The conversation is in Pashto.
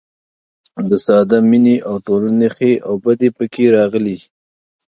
د ساده مینې او ټولنې ښې او بدې پکې راغلي.